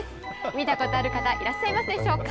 見たことある方、いらっしゃいますでしょうか？